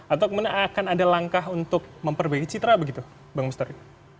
atau kemudian akan ada langkah untuk memperbaiki citra begitu bang mustari